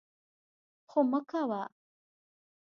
خو مه کوه!